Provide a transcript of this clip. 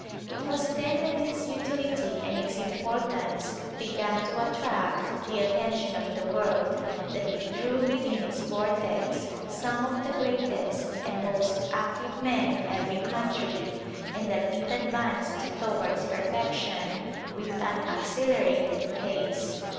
It was then that its utility and its importance began to attract the attention of the world ; that it drew within its vortex some of the greatest and most active men in every country ; and that it advanced towards perfection with an accelerated pace.